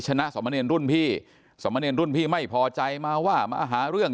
ชนะสมเนรรุ่นพี่สมเนรรุ่นพี่ไม่พอใจมาว่ามาหาเรื่อง